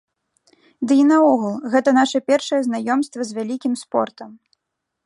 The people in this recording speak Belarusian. Ды і наогул, гэта наша першае знаёмства з вялікім спортам.